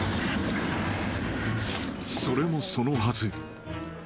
［それもそのはず］